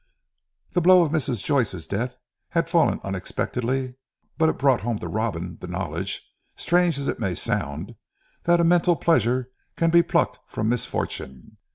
The blow of Mrs. Joyce's death had fallen unexpectedly, but it brought home to Robin, the knowledge strange as it may sound that a mental pleasure can be plucked from misfortune.